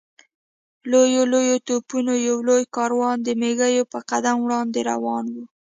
لویو لویو توپونو یو لوی کاروان د مېږي په قدم وړاندې روان و.